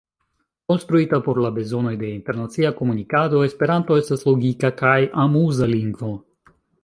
Konstruita por la bezonoj de internacia komunikado, esperanto estas logika kaj amuza lingvo.